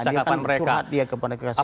dia akan curhat dia kepada kekasihnya